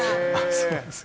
そうなんですか。